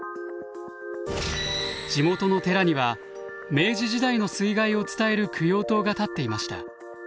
地元の寺には明治時代の水害を伝える供養塔が建っていました。